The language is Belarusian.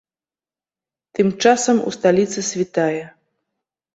Тым часам у сталіцы світае.